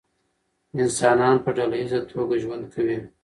انسانان په ډله ایزه توګه ژوند کوي.